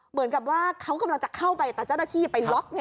เหมือนกับว่าเขากำลังจะเข้าไปแต่เจ้าหน้าที่ไปล็อก